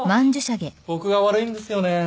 僕が悪いんですよね。